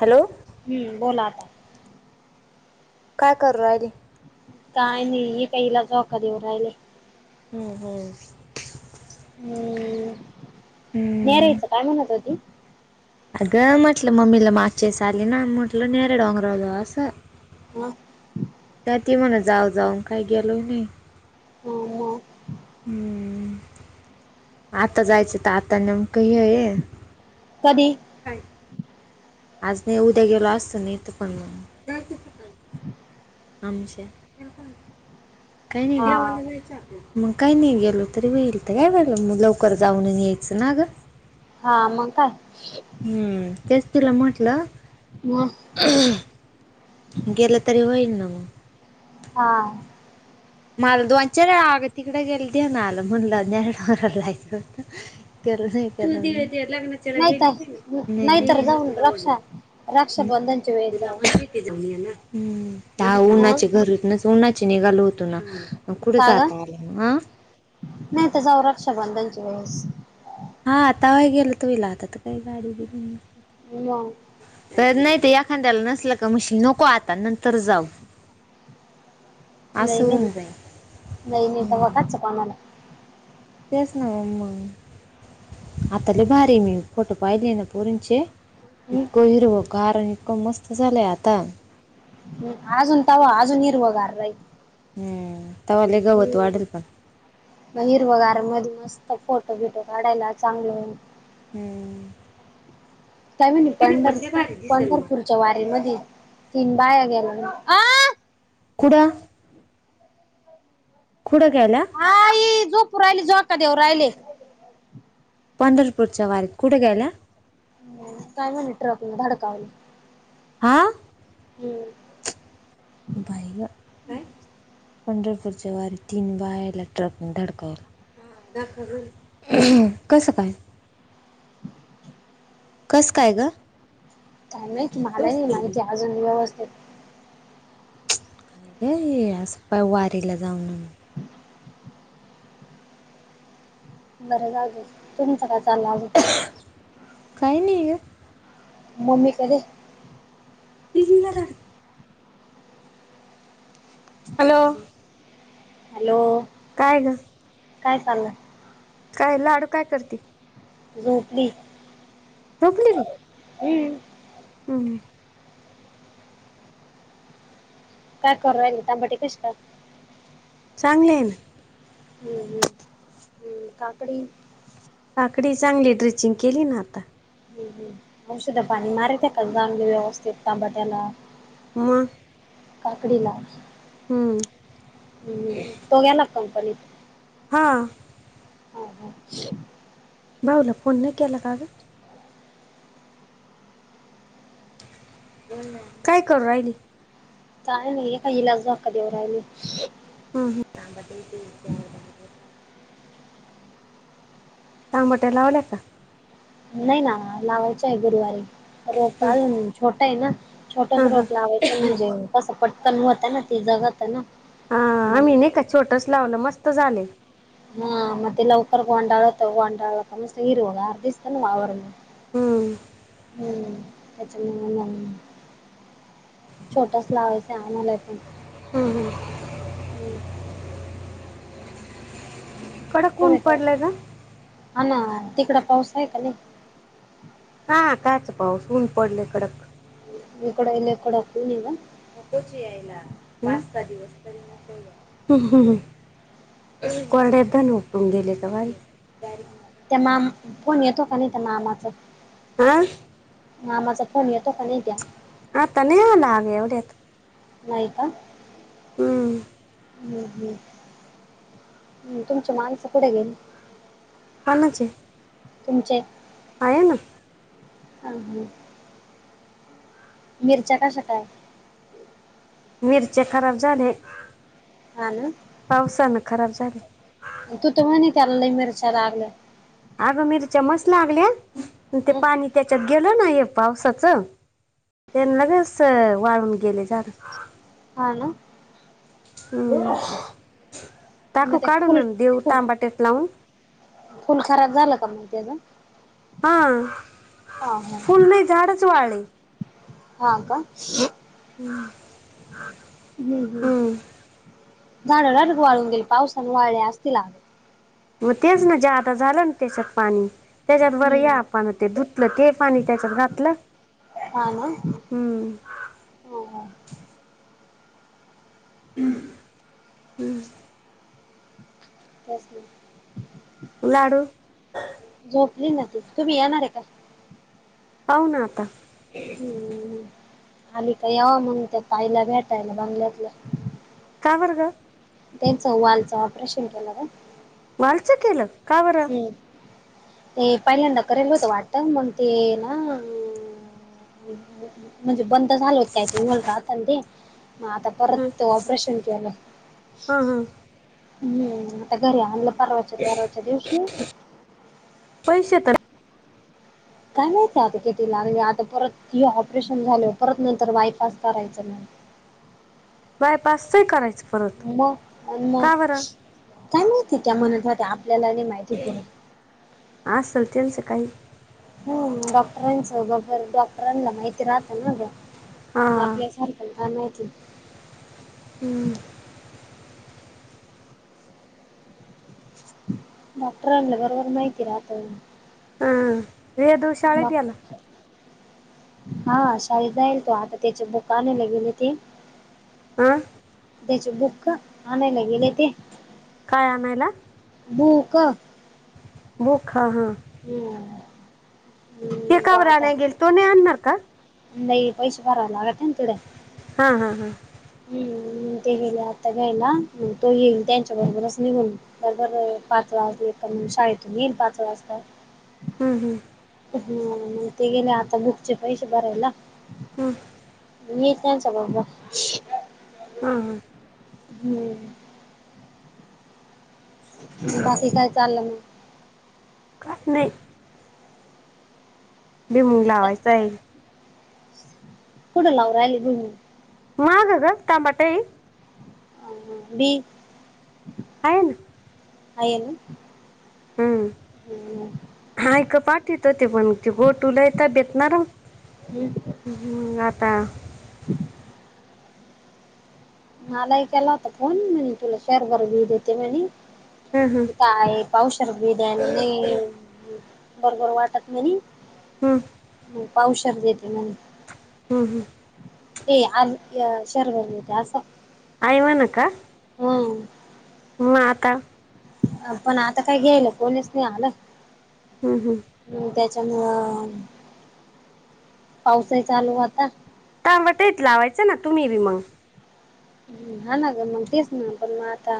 Hello. हम्. बोला आता. काय कराल्या. काय नाही ही काय हिला, झोका देव राहिले. हम्म हम्म. हम्म. हम्म नेरायचं काय म्हणत होती. अगं म्हटलं मम्मीला मागच्या वेळेस आले ना म्हटलं नेरे डोंगरावर जाऊ. हं. त्यात म्हणा जाऊ जाऊन, काय गेलो नाही मग हम्. आता जायचं तर, आता नेमक हे ये. कधी. काय. आज नाही उद्या गेलो, असतं नाय पण मग‌. आमच्या काही हा नाहीये. मग काही नाही गेलो तरी व्हेल. तर काय वेला मग लवकर जाऊन यायचं ना गं. हां. मग काय? हम्म. तेच तिला म्हटलं. मग. गेलं तरी होईना मगं. हां. मला दोनचार आग तिकडे गेल ते ना, आला म्हणल [unintelligible] [unintelligible] नाही गेली तर [unintelligible] नाहीतर जाऊन तु रक्षा रक्षाबंधनच्या वेळेस जाऊ म्ह जाऊन ना हम्. त्या ह उन्हाच्या घरीच ना, उन्हाचे निघालो होतो ना. कुठे का ग जाता, आलं ना आं. नाही तेजा, राव रक्षाबंधनच्या वेळेस. हां आता व गेलंतो हिला, आतात काही गाडी बिडी. मग. तर नाही ते एखाद्याला नसल का, मशीन नको आता नंतर जाऊ. [inaudible] नाही असं नाही होऊन जाईल. नाही नाही, तवा हम्म कनच कामाला. तेच ना मग आता लै भारी मी, फोटो पाहिले ना मी पोरींचे. इतक हम्म हिरव गार आणि, इतक मस्त झालं आहे आता. हम्. अजुन तवा, आजून हिरवगार राहीलं. हम्. तेव्हा लै गवत वाढल पण, मग हिरवघार मध्ये, मस्त फोटो बिटो काढायला चांगलंय. हम्म. काय म्हणी नाही पण पंढर लय भारी दिसल मग पंढरपूरच्या वारी, मधी तीन बाया गेल्या. कुठं. कुठे गेल्या. पोराला झोका देऊन राहिले. पंढरपूरच्या वारी कुठे गेल्या. काय म्हणे, ट्रकन धडकावलं. हां. हम्म. बाई गं. काय. पंढरपूरच्या वारी, तीन बायाला ट्रकने धडकावल. कसं? काय? कसं? काय? ग. काय माहीत? मलाही नाही, डोसकेला माहिती अजून बिसकेला व्यवस्थित. हे ही असं पाय वारीला जाऊन आणू. बरं जाऊ देत तुमचं काय चाललंय अजून? काही नाही ग. मम्मी कधे [unintelligible] झाला. हॅलो. हॅलो! ! काय? ग. काय चाललं? काय लाडू काय करती? झोपली. झोपली बी हुं.. [unintelligible] हां. काय करू राहिली तांबाटी कशी काय? चांगले आहे ना. हम्म. हम्. हम्म. काकडी. काकडी चांगली ड्रेचिंग केली, ना आता. हम् हम औषध पाणी मारित का? जा [unintelligible] व्यवस्थित तांबाट्याला. मग. काकडी ला. हम्म.. हम्म तो गेल्यात कंपनीत. हां. हा हा. भाऊला फोन नाही केला का? ग काय करू राहिली? काय नाही एकाईला झोका देऊ राहिली. हां हां. [inaudible] तामाट लावला का? नाही. ना, लावायचं आहे गुरुवारी. रोप आणून छोट आहे, ना छोटच हा हा रोप लावायचं. म्हणजे? कसं? पटकन होत ना, ते जगत आहे ना. हा. मग आम्ही नाही का? छोटच लावलं मस्त आलंय. हम. लवकर गोडाळत गोंडाळत मस्त हिरवगार दिसत ना वावर. हम्म हम्म. त्याच मनाला लागलं. छोटाच लावायचा आम्हाला पण, हम्म हम्म, हम्. कडक ऊन टॉमेटो पडलंय ग हा ना तिकडं पाऊस आहे का नाही? हा काच पाऊस ऊन पडले कडक. इकडं येले एकडं [unintelligible] नकोच यायला. पाच, सहा दिवस तरी न कोर्ड्यात दण उटून गेले का वारी? त्या माम फोन येतो का? नाही त्या मामाचं. आहं मामा चा फोन येतो का? नाही ते. आता, नाही आला आग एवढ्यात. नाही का. हम. हम्म हम् हम्.. तुमची माणसं पुढे गेली. कोणाचे. तुमच्यात. आहे ना. हं हं. मिरच्या कशा काय? मिरचे खराब झाले. हा ना. पावसानं खराब झाले. तू तर म्हणे त्याला लय, मिरच्या लागल्या. अगं मिरचा मस्त, लागल्या ते हं? पाणी. तेच्यात गेल ना हे पावसाच, त्यांना लगेच वाळून गेले झालं. हा ना. हम्म. मग टाकू ते काढून फुल आणि, देऊ फुल टमाट्यात लावून. फुल खराब झालं का, मग त्याचं. हां. हा हा फुल नाही झाडच वाळय. हा कां. हम.. हम्म हम्म.. झाडं [unintelligible] वाळून गेली पावसामुळं वाळले असतीला. मग तेच ना ज्या आता झालं ना, त्याच्यात पाणी. तेच्यात बरं या हं. आपण ते, धुतलं की पाणी तेच्यात घातलं. हा ना हम्म हा हा हम् हम्म. तस नाही. लाडू. झोपली ना ती, तुम्ही येणार आहे का? पाहूना आता. हम्. आली का याव मंग, त्या ताईला भेटायला बंगल्यातला. का बर गं. त्याचं वालच ऑपरेशन केला काय? वालचं केलं, का बरं. ते पहिल्यांदा कराेयला होतं वाटत, मग ते ना, अं, म्हणजे बंद झाल होत काय ते, मुलं राहत ते मग आता. परत ऑपरेशन केलं. हा हा हम्म.. आता घरी आणलं, परवाच्या तेरावाच्या दिवशी. पैसे तर, काय माहितीय आता किती लागले, आता परत ती ऑपरेशन झाल परत नंतर वायपास करायचं म्हण. बायपासच ही करायचं. परत अन्म अन्म, का बरं काय माहिती त्या म्हणत होत्या आपल्याला नाही माहिती पूर्ण. आसल त्यांचं काही. हम.. डॉक्टरांचं डॉक्टरांना माहिती राहतं ना हा गं. आपल्यासारखी आणायची. हम्. डॉक्टर आले, बरोबर माहिती राहतं. हा वेदू शाळेत मग. गेला हा शाळेला जाईल तो आता, त्याचे बुक आणयला गेले ते. आं.. त्याचे बुक, आणायला गेले ते. काय आणायला. बुकं बुक हां हां.. हम्म. ते हम्म तो का बर‌ आता आणाय गेल, तो नाही आणणार का? नाही पैशे भरावं लागतेन तिकडं. हा हा हा. हम्म ते गेले आता घ्यायला मंग तो येईल त्यांच्या बरोबरच निघून. दरबर पाच वाजले कमी शाळेतून येईल पाच वाजता. हम्म हम्म. हम्म ते गेले आता बुकचे पैसे भरायला. हम्म मी तेन सगळं. [unintelligible] हा हा. हम्म. बाकी काय चाललं नाय. का नय बिमुंग लावायचां आहे. कुडे लावराय ली बी मी. महाग हाय का ग टमाटाई? बी हाय ना. हाय येनं हम्म. हम्म म हायक पाठवीत होते पण ते गोटू लई तब्येत नरम. हम्म. हम्म आता मलाही केला होता फोन म्हणे तुला शेर बर घेऊ देते म्हणे हम्म हम्म ते काय आहे पावसर भी द्यायला नाही बरोबर वाटत म्हणे. हम्म. मंग पावशेर देते म्हणे. हम्म हम्म. ते आम् य शर भर देते असं. आई म्हणु का? हम्म. मग आता? पण आता काय घ्यायलं कोणीच नाय आलं. हम्म हम्म. हम्म त्याच्यामुळं पाऊसही चालू होता. टामेटेत लावायचं ना तुम्ही बी मंग. हा ना गं मंग तेच ना पण म आता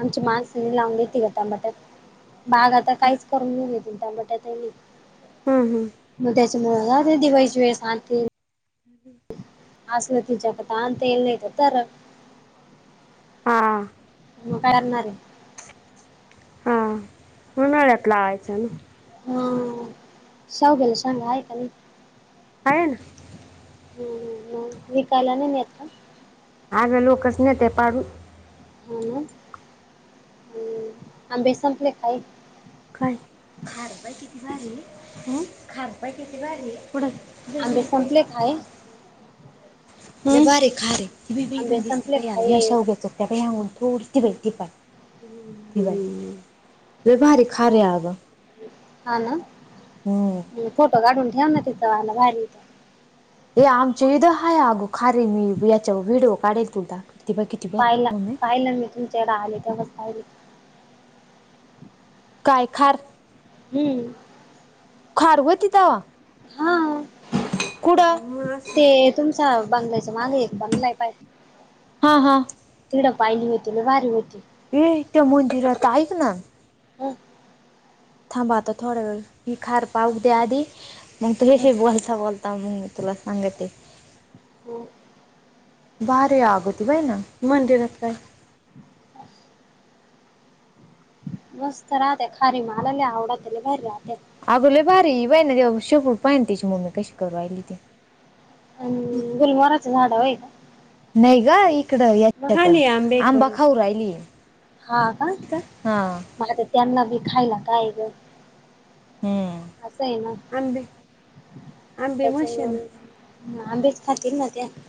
आमची माणसी लावून घेते का तांबाट्यात, बाग आता काहीच करून [unintelligible] तांबाट्यात. हम्म हम्म. म त्याच्यामुळे जाते दिवाळीची वेळ सांतील. [inaudible] असलं तिच्याता [unintelligible] नाहीेत तारं. हा. मग करणार आहे. हा उन्हाळ्यात लावायचं. ना हम्म, सांग गेल्यावर सांग ऐकालोय. हाय ना. हम्म हम्म मग विकायला नाही मिळत का? आज लोकं न ते पाडू हो ना, हम्म, आंबे संपले काय? काय? खारपाय किती झाले? हम्म? खारपाय किती झाले? कुठंय? आंबे संपले काय? लईभारी खारी. आंबे संपले काय [unintelligible] ठीक आहे, हम्म लईभारी खारी आहे अगं. हा ना, हम्म फोटो काढून ठेव ना तिचा लईभारी येतोय. हे आमच्या इथं हाय अग खारे मी ह्याच्यावर व्हिडिओ काढेत होता. पाहिला पाहिलं मी तुमच्या इकडं आले तेव्हाच पाहिलं. काय खार? हम्म खार व्होती तवा? हा कुठं मग असं ते तुमचा बंगलाचा माग एक बंगलाय पाय. हा हा. तिकडं पाहिली होती, लईभारी होती. ये ते मंदिरात ऐक ना. हं? थांब आता थोडा वेळ, ही खार पाहू दे आधी. मग तुझ्याशी बोलता बोलता मग मी तुला सांगते. हो. भारी अगं ती व्हय ना? मंदिर काय. [unintelligible] मस्त राहते खारी मला लई आवडते लईभारी राहतेत. अगं लई भारी वनेदेव शभु पॅनतीची मम्मी कशी करू राहिली ती. हम्म गुलमोहराच झाड हाय व्हय? नाही ग इकड याच्यात आहे, आंबा खाऊ राहिली. हा का? हा मला तर त्यांना बी खायला काय ग? हम्म असं आहे ना आंबे आंबे त्याच्या मशीन येऊन. हा आंबेच खातील ना त्या.